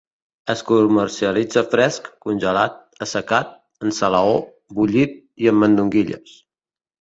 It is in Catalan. Es comercialitza fresc, congelat, assecat, en salaó, bullit i en mandonguilles.